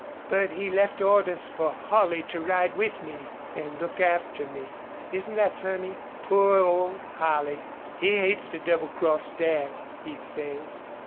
"But he left orders for Holley to ride with me and look after me. Isn't that funny? Poor old Holley! He hates to doublecross Dad, he says."